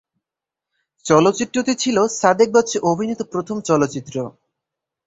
চলচ্চিত্রটি ছিল সাদেক বাচ্চু অভিনীত প্রথম চলচ্চিত্র।